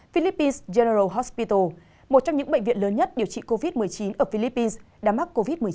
philippines general hospital một trong những bệnh viện lớn nhất điều trị covid một mươi chín ở philippines đã mắc covid một mươi chín